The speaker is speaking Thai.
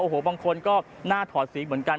โอ้โหบางคนก็น่าถอดสีเหมือนกัน